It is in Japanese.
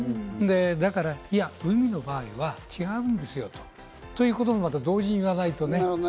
だから海の場合は違うんですよと言うこともまた同時に言わないとね。